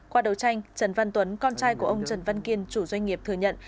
qua đấu tranh trần văn tuấn con trai của ông trần văn kiên chủ doanh nghiệp thừa nhận